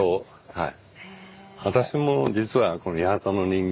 はい。